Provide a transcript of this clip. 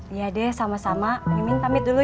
iya deh sama sama mimin pamit dulu ya